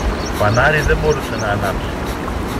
Φανάρι δεν μπορούσε να ανάψει